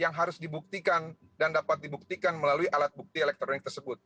yang pertama cctv yang dibuktikan dan dapat dibuktikan melalui alat bukti elektronik tersebut